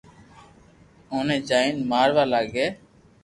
اوني جالين ماروا لاگي